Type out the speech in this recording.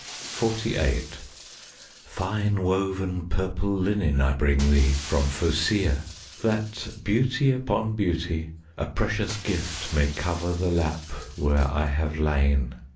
XLVIII Fine woven purple linen I bring thee from Phocæa, That, beauty upon beauty, A precious gift may cover The lap where I have lain.